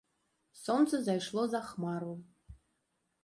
Сонца зайшло за хмару.